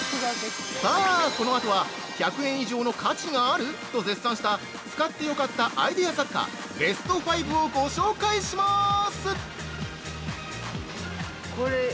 さあ、このあとは１００円以上の価値がある！？と絶賛した使ってよかったアイデア雑貨ベスト５をご紹介しまーす。